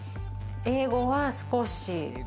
英語は少し。